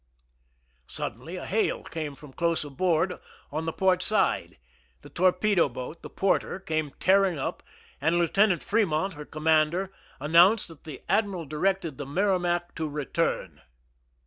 Suddenly a hail came from close aboard on the port side ; the torpedo boat, the Porter^ came tear ing up, and Lieutenant Fremont, her commander, announced that the admiral directed the Merrimac to return.